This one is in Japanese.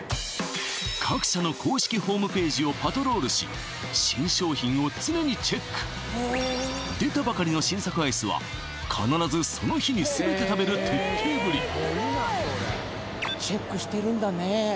各社の公式ホームページをパトロールし新商品を常にチェック出たばかりの新作アイスは必ずその日に全て食べる徹底ぶりチェックしてるんだね・